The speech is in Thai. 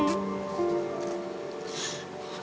โธ่